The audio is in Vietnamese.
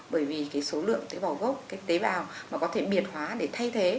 bởi vì cái số lượng tế bào gốc cái tế bào mà có thể biệt hóa để thay thế